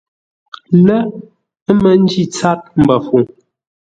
Lə̂, ə́ mə́ ńjí ntsát mbəfəuŋ.